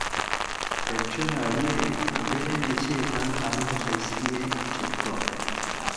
Pertsona horiei beren etxeetan jarriko zaizkie txertoak.